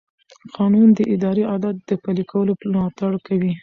قانون د اداري عدالت د پلي کولو ملاتړ کوي.